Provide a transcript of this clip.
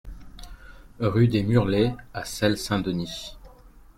Rue des Murlets à Selles-Saint-Denis